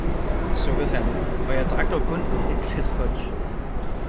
Sukkede han, og jeg drak dog kun t glas punch